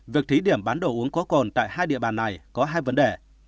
việc thí điểm bán đồ uống có cồn tại hai địa bàn này có hai vấn đề